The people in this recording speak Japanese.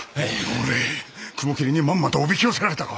おのれ雲霧にまんまとおびき寄せられたか。